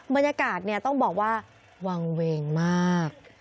บรรยากาศต้องบอกว่าวางเวงมาก